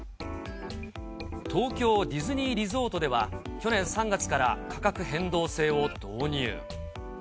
東京ディズニーリゾートでは、去年３月から価格変動制を導入。